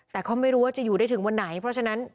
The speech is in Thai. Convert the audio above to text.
แต่ก็ไม่รู้ว่าจะอยู่ได้ถึงวันไหนเพราะฉะนั้น